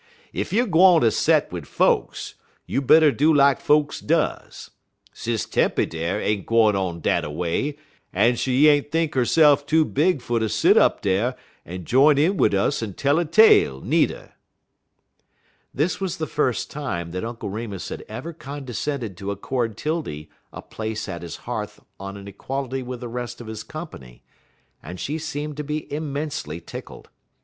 Ef you gwine ter set wid folks, you better do lak folks does. Sis Tempy dar ain't gwine on dat a way, en she ain't think 'erse'f too big fer ter set up dar en jine in wid us en tell a tale, needer." This was the first time that Uncle Remus had ever condescended to accord 'Tildy a place at his hearth on an equality with the rest of his company, and she seemed to be immensely tickled.